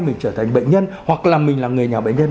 mình trở thành bệnh nhân hoặc là mình là người nhà bệnh nhân